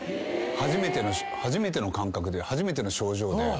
初めての感覚で初めての症状で。